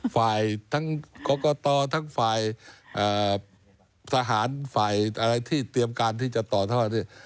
ฝ่ายทั้งกรกตทั้งฝ่ายทหารฝ่ายอะไรที่เตรียมการที่จะต่อเท่านั้น